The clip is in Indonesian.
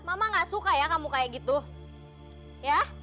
yang artinya khan masih luluh